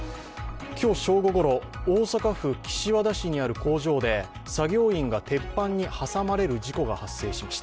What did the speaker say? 今日正午ごろ大阪府岸和田市にある工場で作業員が鉄板に挟まれる事故が発生しました。